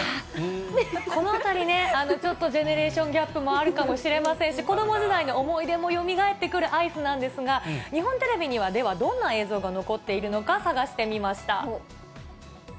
このあたりね、ちょっとジェネレーションギャップもあるかもしれませんし、子ども時代の思い出もよみがえってくるアイスなんですが、日本テレビには、ではどんな映像が残っているのか探してみました。